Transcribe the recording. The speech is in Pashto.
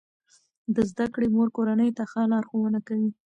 د زده کړې مور کورنۍ ته ښه لارښوونه کوي.